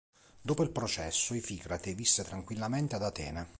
Dopo il processo Ificrate visse tranquillamente ad Atene.